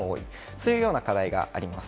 そういうような課題があります。